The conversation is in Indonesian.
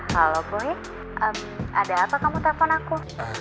halo boy em ada apa kamu telepon aku